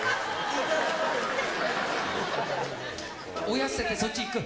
親捨ててそっち行く？